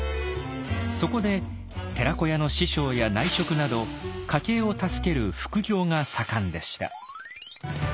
そこで寺子屋の師匠や内職など家計を助ける「副業」が盛んでした。